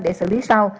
để xử lý sau